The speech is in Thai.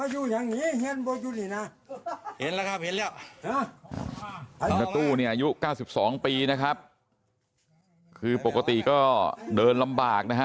เห็นบ๊วยจุดหรออายุ๙๒ปีนะครับคือปกติก็เดินลำบากนะฮะ